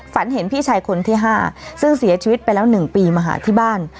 เห็นพี่ชายคนที่๕ซึ่งเสียชีวิตไปแล้ว๑ปีมาหาที่บ้าน